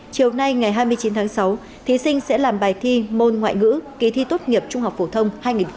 chiều nay ngày hai mươi chín tháng sáu thí sinh sẽ làm bài thi môn ngoại ngữ kỳ thi tốt nghiệp trung học phổ thông hai nghìn hai mươi